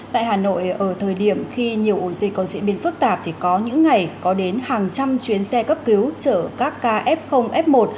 tại hà nội ở thời điểm khi nhiều dịch cấp cứu chuyên trở các bệnh nhân f f một